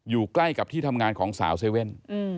อยู่ใกล้กับที่ทำงานของสาวเซเว่น